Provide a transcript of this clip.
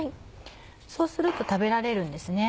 そうすると食べられるんですね。